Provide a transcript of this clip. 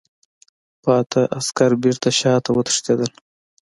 پاتې عسکر بېرته شاته وتښتېدل.